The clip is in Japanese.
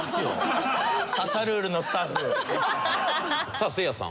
さあせいやさん。